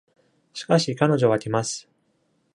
しかし彼女は来ます。